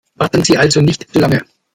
Warten Sie also nicht zu lange!